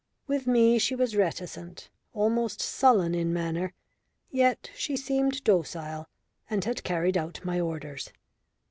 With me she was reticent, almost sullen in manner; yet she seemed docile and had carried out my orders.